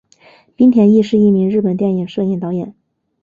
滨田毅是一名日本电影摄影导演。